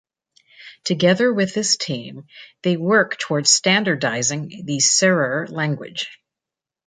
Together with his team, they work towards standardizing the Serer language.